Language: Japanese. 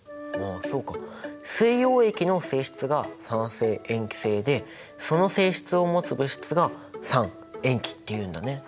水溶液の性質が酸性塩基性でその性質をもつ物質が酸塩基っていうんだね。